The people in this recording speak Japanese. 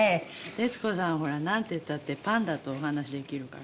徹子さんほらなんてったってパンダとお話しできるから。